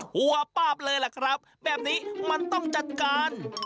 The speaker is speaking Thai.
หัวป้าบเลยล่ะครับแบบนี้มันต้องจัดการ